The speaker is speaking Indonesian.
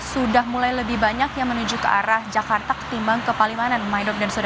sudah mulai lebih banyak yang menuju ke arah jakarta ketimbang ke palimanan